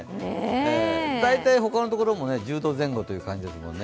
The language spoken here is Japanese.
大体ほかのところも１０度前後という感じですもんね。